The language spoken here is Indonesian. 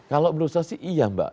kalau menurut saya sih iya mbak